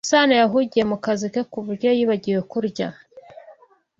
Sano yahugiye mu kazi ke ku buryo yibagiwe kurya.